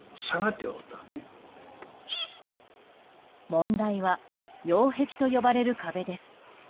問題は擁壁と呼ばれる壁です。